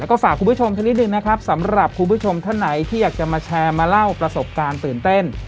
แล้วก็ฝากคุณผู้ชมสักนิดนึงนะครับสำหรับคุณผู้ชมท่านไหนที่อยากจะมาแชร์มาเล่าประสบการณ์ตื่นเต้น